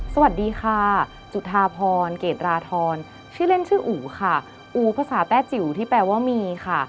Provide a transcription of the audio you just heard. สวัสดีค่ะจุธาพรเกรดราธรชื่อเล่นชื่ออู๋ค่ะอู๋ภาษาแต้จิ๋วที่แปลว่ามีค่ะ